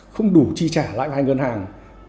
không đủ chi trả lại hai ngân hàng